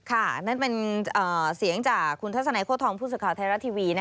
ค่ะนั่นเป็นเสียงจากคุณทัศนัยโฆธองพูดสุดข่าวไทยรัตน์ทีวี